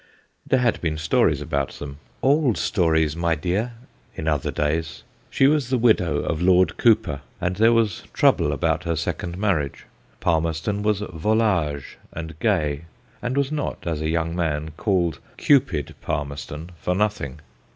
There had been stories about them * old stories, my dear !; in other days. She was the widow of Lord Cowper, and there was trouble about her second marriage. Palmerston was volage and gay, and was not (as a young man) called Cupid Palmer ston for nothing.